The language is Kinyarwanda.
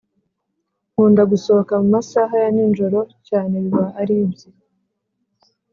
nkunda gusohoka mumasaha ya ni njoro cyane biba aribyi